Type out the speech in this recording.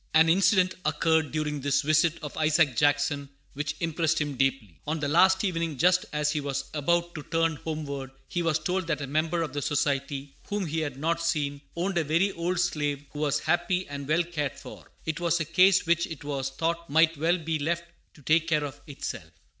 [An incident occurred during this visit of Isaac Jackson which impressed him deeply. On the last evening, just as he was about to turn homeward, he was told that a member of the Society whom he had not seen owned a very old slave who was happy and well cared for. It was a case which it was thought might well be left to take care of itself.